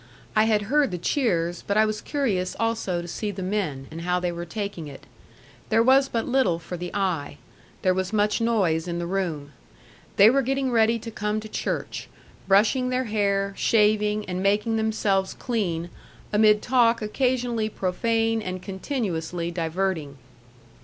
I had heard the cheers, but I was curious also to see the men, and how they were taking it. There was but little for the eye. There was much noise in the room. They were getting ready to come to church, brushing their hair, shaving, and making themselves clean, amid talk occasionally profane and continuously diverting.